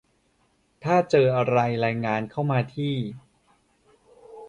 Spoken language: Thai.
ถ้าเจออะไรรายงานเข้ามาที่